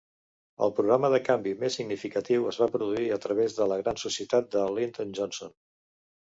El programa de canvi més significatiu es va produir a través de la Gran Societat de Lyndon Johnson.